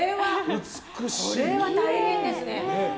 これは、大変ですね。